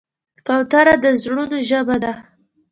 کوتره د زړونو ژبه ده.